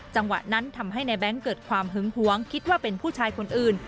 จังหวะนั้นทำให้นายแบงค์เกิดความหึงหวงคิดว่าเป็นผู้ชายคนอื่น